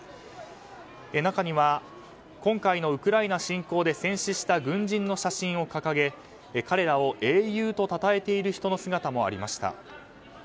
中には今回のウクライナ侵攻で戦死した軍人の写真を掲げ彼らを英雄とたたえている人の姿もありました。